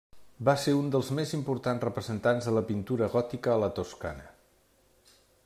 Va ser un dels més importants representants de la pintura gòtica a la Toscana.